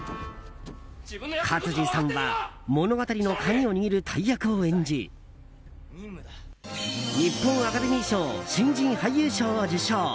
勝地さんは物語の鍵を握る大役を演じ日本アカデミー賞新人俳優賞を受賞。